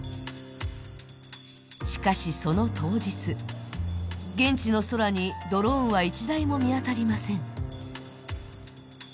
しかし、その当日、現地の空にドローンは１台も見当たりません。